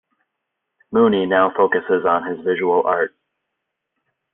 Mooney now focuses on his visual art.